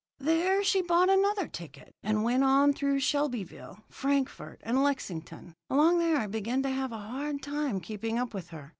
There she bought another ticket, and went on through Shelbyville, Frankfort, and Lexington. Along there I began to have a hard time keeping up with her.